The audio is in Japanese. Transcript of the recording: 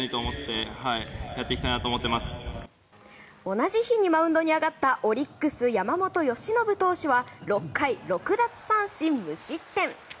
同じ日にマウンドに上がったオリックス、山本由伸投手は６回６奪三振無失点。